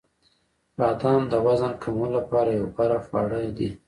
• بادام د وزن کمولو لپاره یو غوره خواړه دي.